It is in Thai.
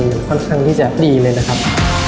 ค่อนข้างที่จะดีเลยนะครับ